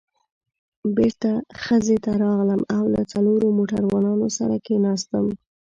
بېرته خزې ته راغلم او له څلورو موټروانانو سره کېناستم.